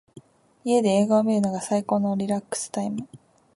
家で映画を観るのが最高のリラックスタイム。